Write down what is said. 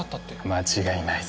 間違いないっす